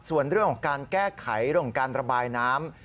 ส่วนเรื่องของการแก้ไขเรื่องของการระบายน้ำ